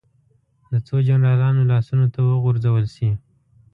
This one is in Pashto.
د څو جنرالانو لاسونو ته وغورځول شي.